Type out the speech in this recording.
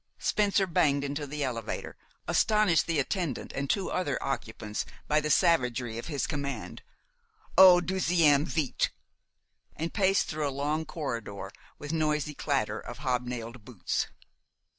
Spencer banged into the elevator, astonished the attendant and two other occupants by the savagery of his command, "Au deuxième, vite!" and paced through a long corridor with noisy clatter of hob nailed boots.